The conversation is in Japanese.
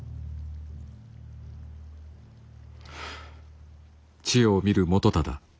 はあ。